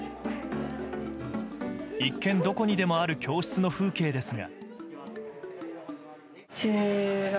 一見どこにでもある教室の風景ですが。